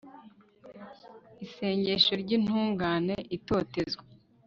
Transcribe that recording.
isengesho ry'intungane itotezwa